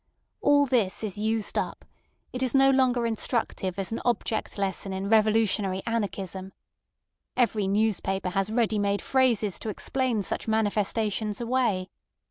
All this is used up; it is no longer instructive as an object lesson in revolutionary anarchism. Every newspaper has ready made phrases to explain such manifestations away.